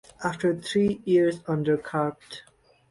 After three years under Capt.